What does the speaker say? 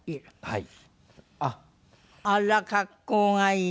はい。